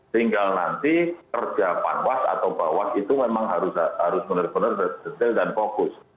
tinggal nanti kerja panwas atau bawas itu memang harus benar benar detail dan fokus